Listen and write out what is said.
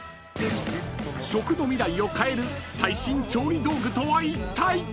［食の未来を変える最新調理道具とはいったい⁉］